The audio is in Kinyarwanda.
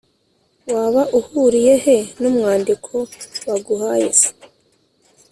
waba uhuriye he n’umwandiko baguhaye se